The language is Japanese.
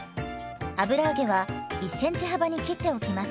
油揚げは１ｃｍ幅に切っておきます。